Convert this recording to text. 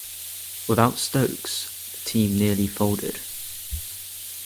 Without Stokes, the team nearly folded.